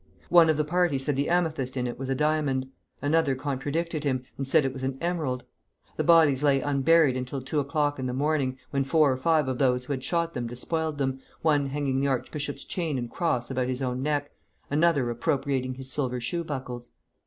One of the party said the amethyst in it was a diamond; another contradicted him, and said it was an emerald. The bodies lay unburied until two o'clock in the morning, when four or five of those who had shot them despoiled them, one hanging the archbishop's chain and cross about his own neck, another appropriating his silver shoe buckles.